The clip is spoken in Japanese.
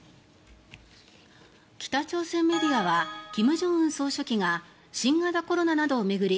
北朝鮮メディアは金正恩総書記が新型コロナなどを巡り